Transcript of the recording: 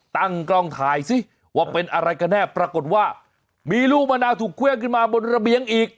ตั้งกล้องถ่ายสิว่าเป็นอะไรกันแน่ปรากฏว่ามีลูกมะนาวถูกเครื่องขึ้นมาบนระเบียงอีก